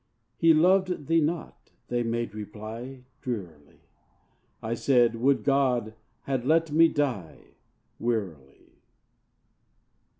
"He loved thee not," they made reply. Drearily. I said, "Would God had let me die!" (Wearily.)